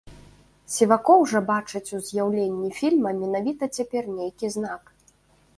Сівакоў жа бачыць у з'яўленні фільма менавіта цяпер нейкі знак.